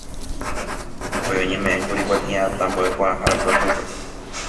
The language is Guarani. Upéi oñemeʼẽkuri kuatiaʼatã Mboʼekuaahára pyahúpe.